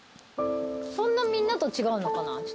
そんなみんなと違うのかな？